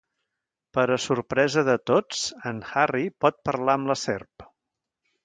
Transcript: Per a sorpresa de tots, en Harry pot parlar amb la serp.